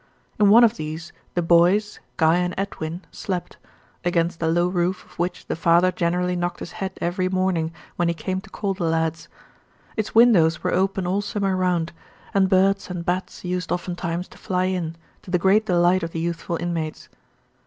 In one of these the boys, Guy and Edwin, slept, against the low roof of which the father generally knocked his head every morning when he came to call the lads. Its windows were open all summer round, and birds and bats used oftentimes to fly in, to the great delight of the youthful inmates.